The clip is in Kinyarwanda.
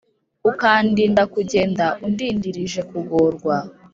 Ukandinda kugenda Undindirije kugorwa